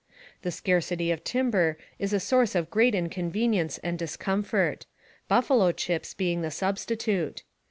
The scarcity of timber is a source of great inconven ience and discomfort, "buffalo chips" being the sub stitute.